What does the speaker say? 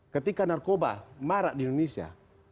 ketika narkoba marak di indonesia